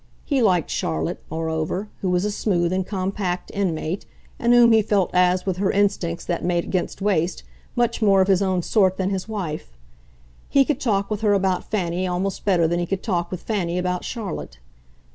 He liked Charlotte, moreover, who was a smooth and compact inmate, and whom he felt as, with her instincts that made against waste, much more of his own sort than his wife. He could talk with her about Fanny almost better than he could talk with Fanny about Charlotte.